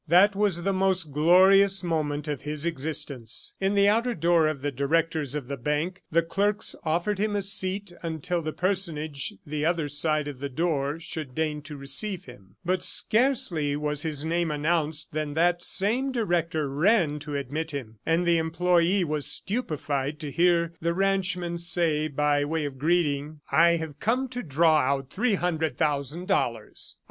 That was the most glorious moment of his existence. In the outer office of the Directors of the Bank, the clerks offered him a seat until the personage the other side of the door should deign to receive him. But scarcely was his name announced than that same director ran to admit him, and the employee was stupefied to hear the ranchman say, by way of greeting, "I have come to draw out three hundred thousand dollars.